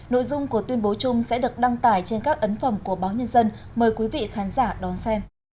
nội dung của tuyên bố chung sẽ được đăng tải trên các ấn phẩm của báo nhân dân mời quý vị khán giả đón xem